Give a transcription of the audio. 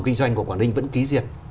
kinh doanh của quảng ninh vẫn ký diệt